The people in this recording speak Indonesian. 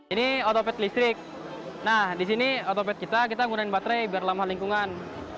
ini otopet listrik nah di sini otopet kita kita gunain baterai biar ramah lingkungan